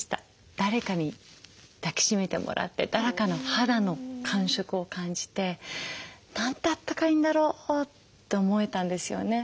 誰かに抱きしめてもらって誰かの肌の感触を感じてなんてあったかいんだろうって思えたんですよね。